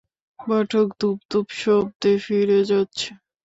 পাঠক ধুপ ধুপ শব্দে ফিরে যাচ্ছে!